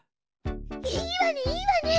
いいわねいいわね！